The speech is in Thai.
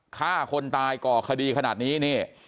ฆ่าคนตายก่อคดีขนาดนี้นี่